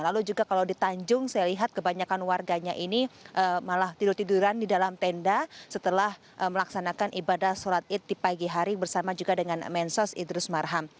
lalu juga kalau di tanjung saya lihat kebanyakan warganya ini malah tidur tiduran di dalam tenda setelah melaksanakan ibadah sholat id di pagi hari bersama juga dengan mensos idrus marham